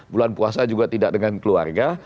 dan puasa juga tidak dengan keluarga